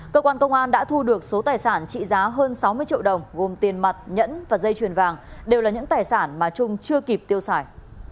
cơ quan công an đã thu được số tài sản trị giá hơn sáu mươi triệu đồng gồm tiền mặt nhẫn và dây chuyền vàng đều là những tài sản mà trung chưa kịp tiêu xài